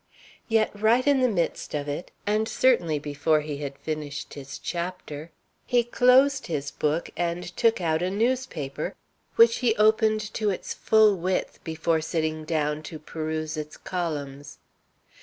Yet right in the midst of it, and certainly before he had finished his chapter, he closed his book and took out a newspaper, which he opened to its full width before sitting down to peruse its columns.